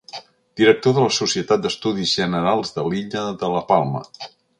Director de la Societat d'Estudis Generals de l'illa de la Palma.